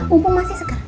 mumpung masih segar